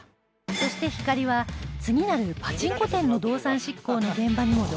そしてひかりは次なるパチンコ店の動産執行の現場にも同行